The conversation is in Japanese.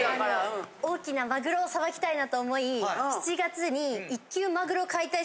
・大きなマグロをさばきたいなと思い７月に。